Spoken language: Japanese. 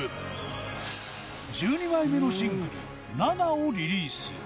１２枚目のシングル『ＮＡＮＡ』をリリース。